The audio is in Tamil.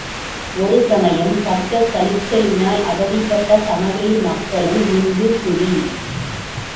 ஒரு சமயம் கக்கற்கழிச்ச லினால் அவதிப்பட்ட சமவெளி மக்களும் இங்குக் குடி.